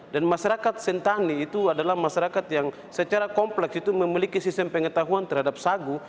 dan masyarakat sentani itu adalah masyarakat yang secara kompleks itu memiliki sistem pengetahuan terhadap sagu